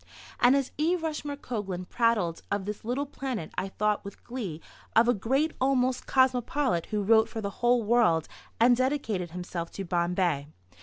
And as E. Rushmore Coglan prattled of this little planet I thought with glee of a great almost cosmopolite who wrote for the whole world and dedicated himself to Bombay.